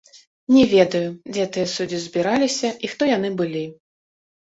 Не ведаю, дзе тыя суддзі збіраліся і хто яны былі.